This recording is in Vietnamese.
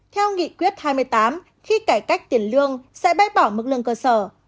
theo nghị quyết hai mươi tám khi cải cách tiền lương sẽ bái bỏ mức lương cơ sở